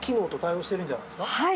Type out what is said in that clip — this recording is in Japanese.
はい。